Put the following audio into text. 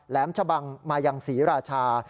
แหลมชะบังมาอย่างศรีราชา